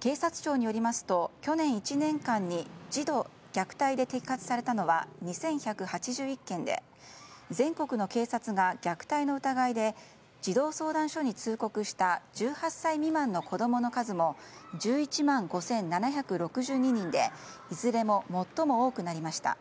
警察庁によりますと去年１年間に児童虐待で摘発されたのは２１８１件で全国の警察が虐待の疑いで児童相談所に通告した１８歳未満の子供の数も１１万５７６２人でいずれも最も多くなりました。